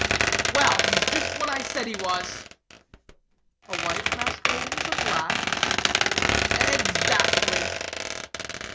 "Well, he's just what I said he was." "A white masquerading as a black?" "Exactly."